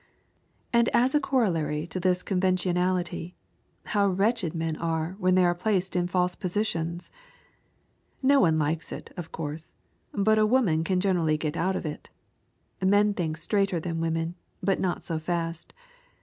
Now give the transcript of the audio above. And as a corollary to this conventionality, how wretched men are when they are placed in false positions! Nobody likes it, of course, but a woman can generally get out of it. Men think straighter than women, but not so fast.